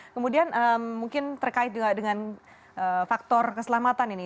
kemudian mungkin terkait juga dengan faktor keselamatan ini